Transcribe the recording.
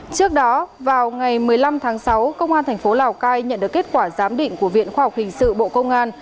trước đó vào ngày một mươi năm tháng sáu công an tp lào cai nhận được kết quả giám định của viện khoa học hình sự bộ công an